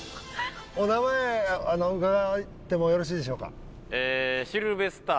お名前伺ってもよろしいでしょうかえー